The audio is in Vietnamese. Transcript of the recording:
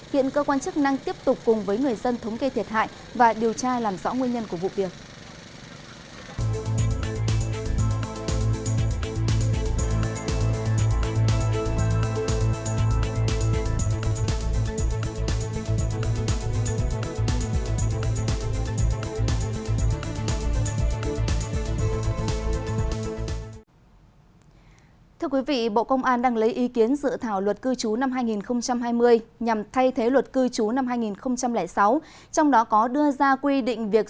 hiện cơ quan chức năng tiếp tục cùng với người dân thống kê thiệt hại và điều tra làm rõ nguyên nhân của vụ việc